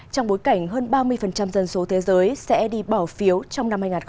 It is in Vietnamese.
trong bối cảnh hơn ba mươi dân số thế giới sẽ đi bỏ phiếu trong năm hai nghìn hai mươi